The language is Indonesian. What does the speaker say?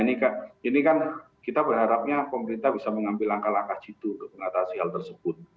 nah ini kan kita berharapnya pemerintah bisa mengambil langkah langkah situ untuk mengatasi hal tersebut